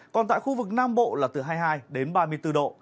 còn tại khu vực nam bộ là từ hai mươi hai đến ba mươi bốn độ